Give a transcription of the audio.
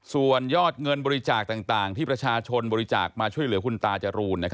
ส่วนยอดเงินบริจาคต่างที่ประชาชนบริจาคมาช่วยเหลือคุณตาจรูน